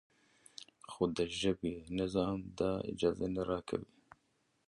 خو د ژبې نظام دا اجازه نه راکوي.